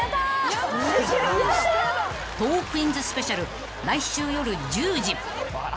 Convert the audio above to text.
［『トークィーンズ』スペシャル来週夜１０時］